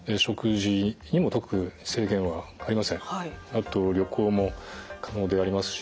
あと旅行も可能でありますし。